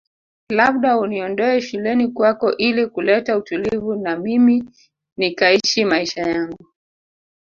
Labda uniondoe shuleni kwako ili kuleta utulivu na mimi nikaishi maisha yangu